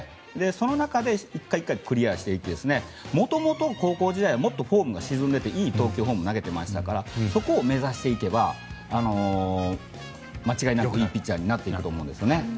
その中で１回１回クリアしていってもともと高校時代はフォームが沈んでいていい投球フォームで投げていましたからそこを目指していけば間違いなくいいピッチャーになると思います。